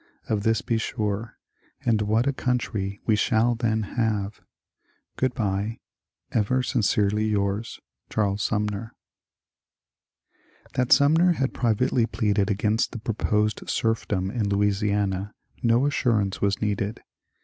Of this be sure, and what a country we shall then have ! Good bye I Ever sincerely yours, Charles Sumner. That Sumner had privately pleaded against the proposed serfdom in Louisiana no assurance was needed.